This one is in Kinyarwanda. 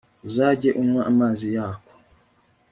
Uzajye unywa amazi yako